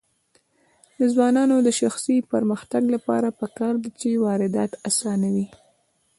د ځوانانو د شخصي پرمختګ لپاره پکار ده چې واردات اسانوي.